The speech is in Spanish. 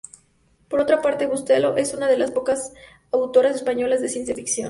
Por otra parte, Bustelo es una de las pocas autoras españolas de ciencia ficción.